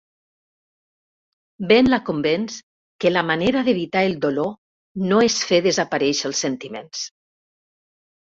Ben la convenç que la manera d'evitar el dolor no és fer desaparèixer els sentiments.